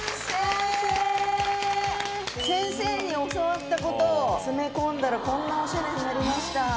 先生に教わったことを詰め込んだらこんなおしゃれになりました。